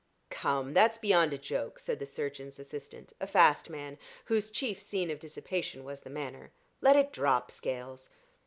"Come, that's beyond a joke," said the surgeon's assistant, a fast man, whose chief scene of dissipation was the manor. "Let it drop, Scales."